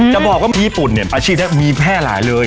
จะบอกว่ามีญี่ปุ่นเนี่ยอาชีพนี้มีแพร่หลายเลย